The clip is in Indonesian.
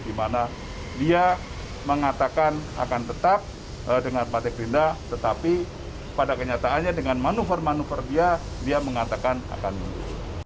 dimana dia mengatakan akan tetap dengan partai gerindra tetapi pada kenyataannya dengan manuver manuver dia dia mengatakan akan mundur